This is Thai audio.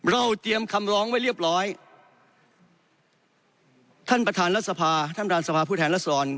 เตรียมคำร้องไว้เรียบร้อยท่านประธานรัฐสภาท่านประธานสภาผู้แทนรัศดร